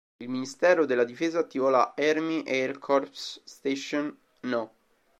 Il ministero della difesa attivò la "Army Air Corps Station No.